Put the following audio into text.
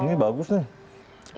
ini bagus nih